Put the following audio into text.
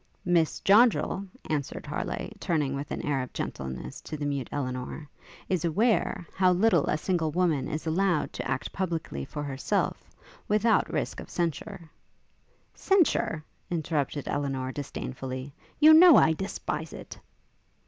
'Miss Joddrel,' answered Harleigh, turning with an air of gentleness to the mute Elinor, 'is aware how little a single woman is allowed to act publicly for herself, without risk of censure.' 'Censure?' interrupted Elinor, disdainfully, 'you know I despise it!'